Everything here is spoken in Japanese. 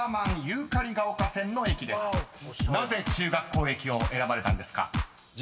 ［なぜ「中学校駅」を選ばれたんですか？］